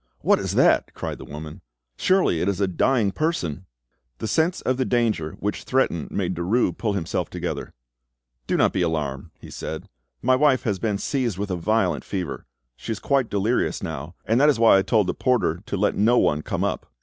"What is that?" cried the woman. "Surely it is a dying person!" The sense of the danger which threatened made Derues pull himself together. "Do not be alarmed," he said. "My wife has been seized with a violent fever; she is quite delirious now, and that is why I told the porter to let no one come up."